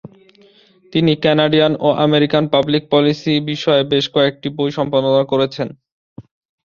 তিনি কানাডিয়ান ও American public policy বিষয়ে বেশ কয়েকটি বই সম্পাদনা করেছেন।